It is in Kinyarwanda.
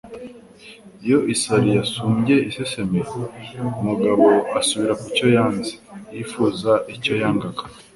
Iyo isari yasumbye iseseme, umugabo asubira kucyo yanze (yifuza icyo yangaga)